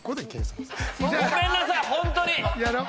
ごめんなさいホントに！